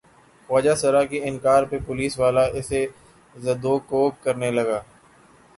خواجہ سرا کے انکار پہ پولیس والا اسے زدوکوب کرنے لگا۔